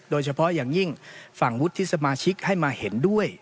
โดยเฉพาะอย่างยิ่งฝั่งวุฒิสมาชิกให้มาเห็นด้วย